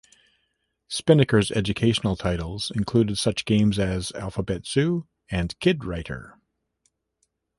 Spinnaker's educational titles included such games as "Alphabet Zoo" and "Kidwriter".